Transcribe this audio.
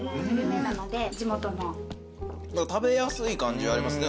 食べやすい感じありますね